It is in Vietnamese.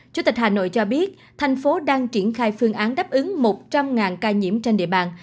chủ tịch hà nội cho biết thành phố đang triển khai phương án đáp ứng một trăm linh ca nhiễm trên địa bàn